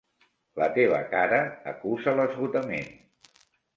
La teva cara acusa l'esgotament.